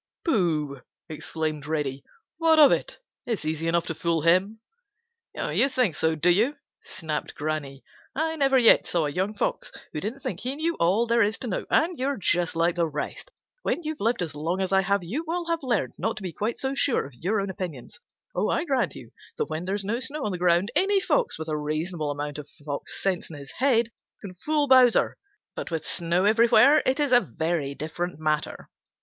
"Pooh!" exclaimed Reddy. "What of it? It's easy enough to fool him." "You think so, do you?" snapped Granny. "I never yet saw a young Fox who didn't think he knew all there is to know, and you're just like the rest. When you've lived as long as I have you will have learned not to be quite so sure of your own opinions. I grant you that when there is no snow on the ground, any Fox with a reasonable amount of Fox sense in his head can fool Bowser, but with snow everywhere it is a very different matter.